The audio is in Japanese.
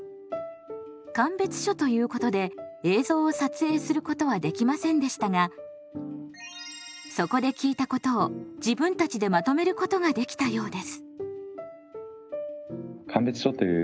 鑑別所ということで映像を撮影することはできませんでしたがそこで聞いたことを自分たちでまとめることができたようです。